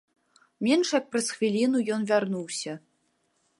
Менш як праз хвіліну ён вярнуўся.